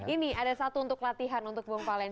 ini ada satu untuk latihan untuk bung valen